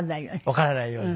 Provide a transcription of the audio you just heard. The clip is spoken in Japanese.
わからないように。